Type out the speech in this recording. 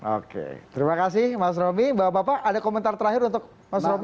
oke terima kasih mas romy bapak bapak ada komentar terakhir untuk mas romy